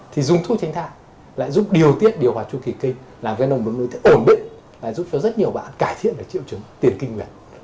thì dùng thuốc tránh thai lại giúp điều tiết điều hòa trung kỳ kinh làm cho các bạn ổn định lại giúp cho rất nhiều bạn cải thiện triệu chứng tiền kinh nguyệt